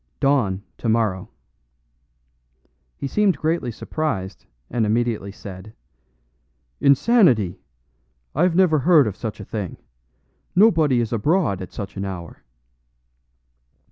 "Dawn, tomorrow." He seemed greatly surprised, and immediately said: "Insanity! I never heard of such a thing. Nobody is abroad at such an hour."